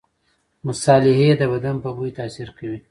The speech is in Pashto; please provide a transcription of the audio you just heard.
مصالحې د بدن په بوی تاثیر کوي.